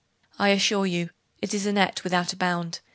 I assure you, it is a net without a bound.